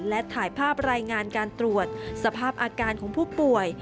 และถ่ายภาพรายงานการตรวจสภาพอาการของผู้ป่วย